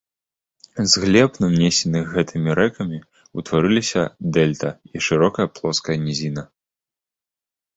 З глеб, нанесеных гэтымі рэкамі, утварыліся дэльта і шырокая плоская нізіна.